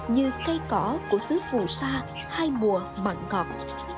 như cây cỏ của xứ phù sa hai mùa mặn ngọt